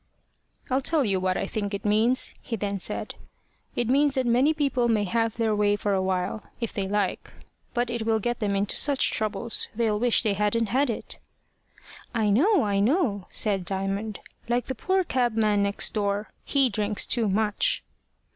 "I'll tell you what I think it means," he then said. "It means that people may have their way for a while, if they like, but it will get them into such troubles they'll wish they hadn't had it." "I know, I know!" said Diamond. "Like the poor cabman next door. He drinks too much."